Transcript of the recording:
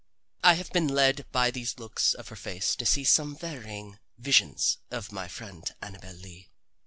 I have been led by these looks of her face to see some varying visions of my friend Annabel Lee.